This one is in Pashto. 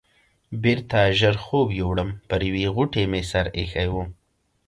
بېرته ژر خوب یووړم، پر یوې غوټې مې سر ایښی و.